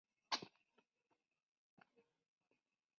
El cuerpo de escalera parte desde el costado suroccidental del patio.